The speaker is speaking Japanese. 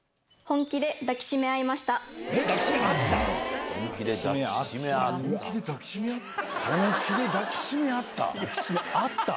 本気で抱きしめ合った？